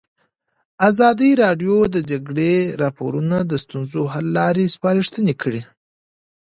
ازادي راډیو د د جګړې راپورونه د ستونزو حل لارې سپارښتنې کړي.